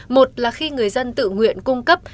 một là khi người dân tự nguyện cung cấp